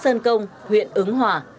xã sơn công huyện ứng hòa